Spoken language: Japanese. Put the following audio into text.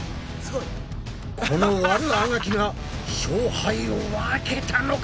この悪あがきが勝敗を分けたのか！